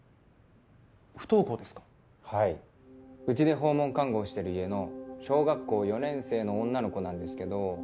うちで訪問看護をしてる家の小学校４年生の女の子なんですけど。